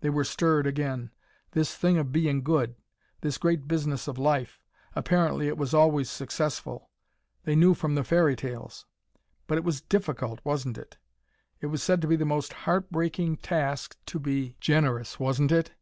They were stirred again. This thing of being good this great business of life apparently it was always successful. They knew from the fairy tales. But it was difficult, wasn't it? It was said to be the most heart breaking task to be generous, wasn't it?